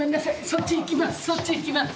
そっち行きます。